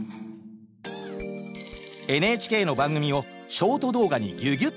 ＮＨＫの番組をショート動画にぎゅぎゅっと凝縮！